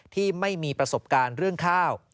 ที่ไม่มีประสบการณ์เรื่องข้าว